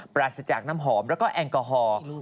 ปราศจากน้ำหอมแล้วก็แอลกอฮอล์